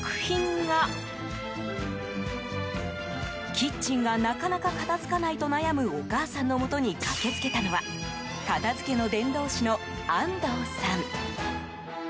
キッチンがなかなか片付かないと悩むお母さんのもとに駆けつけたのは片付けの伝道師の安東さん。